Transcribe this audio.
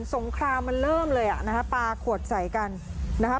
สงครามมันเริ่มเลยอ่ะนะฮะปลาขวดใส่กันนะครับ